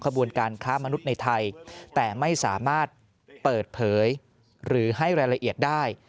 ขบวนการค้ามนุษย์ในไทยแต่ไม่สามารถเปิดเผยหรือให้รายละเอียดได้